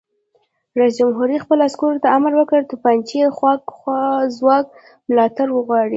رئیس جمهور خپلو عسکرو ته امر وکړ؛ د توپچي ځواک ملاتړ وغواړئ!